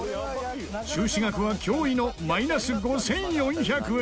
収支額は驚異のマイナス５４００円。